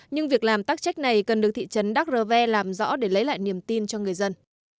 nhưng việc làm tác trách này cần được thị trấn đắk rơ ve làm rõ để lấy lại niềm tin cho người dân